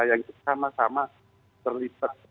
yang sama sama terlibat